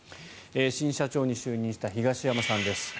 新社長に就任した東山さんです。